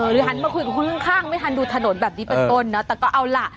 หันมาคุยกับคนข้างไม่ทันดูถนนแบบนี้เป็นต้นเนอะแต่ก็เอาล่ะ